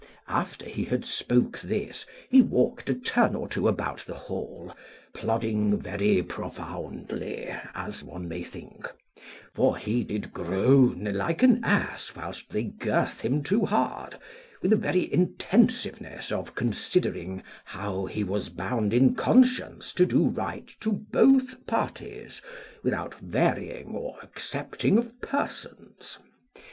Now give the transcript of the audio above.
After he had spoke this, he walked a turn or two about the hall, plodding very profoundly, as one may think; for he did groan like an ass whilst they girth him too hard, with the very intensiveness of considering how he was bound in conscience to do right to both parties, without varying or accepting of persons.